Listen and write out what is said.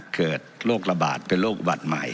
เกิดโรคระบาดเป็นโรคอุบัติใหม่